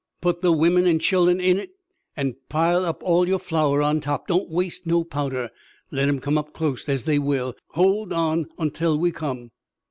"Put the womern an' children in hit an' pile up all yer flour on top. Don't waste no powder let 'em come up clost as they will. Hold on ontel we come."